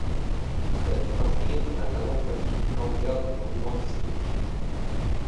Elle est inscrite à l'inventaire supplémentaire des monuments historiques.